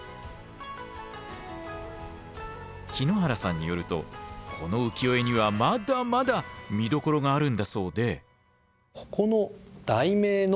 日野原さんによるとこの浮世絵にはまだまだ見どころがあるんだそうで。